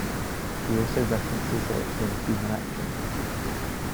He also references it in "Human Action".